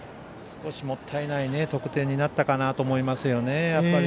少しもったいない得点になったかなと思いますよね。